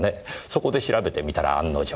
そこで調べてみたら案の定。